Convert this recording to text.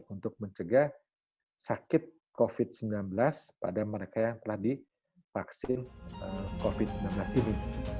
untuk mencegah sakit covid sembilan belas pada mereka yang telah divaksin covid sembilan belas ini